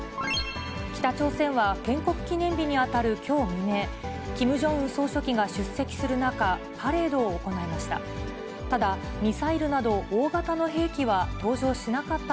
北朝鮮は、建国記念日に当たるきょう未明、キム・ジョンウン総書記が出席する中、パレードを行いました。